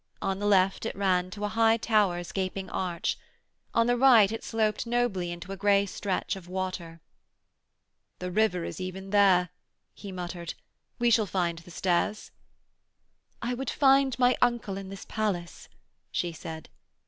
On the left it ran to a high tower's gaping arch. On the right it sloped nobly into a grey stretch of water. 'The river is even there,' he muttered. 'We shall find the stairs.' 'I would find my uncle in this palace,' she said.